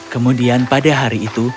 kemudian pada hari itu